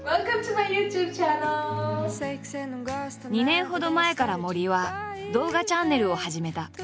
２年ほど前から森は動画チャンネルを始めた。